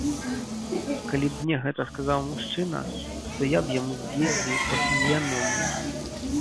Калі б мне гэта сказаў мужчына, то я б яму з'ездзіў па фізіяноміі.